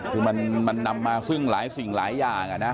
คือมันนำมาซึ่งหลายสิ่งหลายอย่างนะ